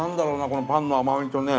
このパンの甘みとね